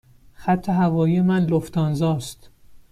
خط هوایی من لوفتانزا است.